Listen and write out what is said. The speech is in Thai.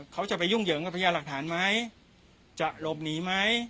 เขาจะไปยุ่งเหยิงกับพยาหลักฐานไหมจะหลบหนีไหม